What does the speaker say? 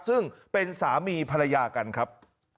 ซึ่งเป็นสามีภรรยากันครับ